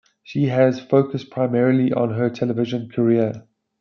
She has focused primarily on her television career.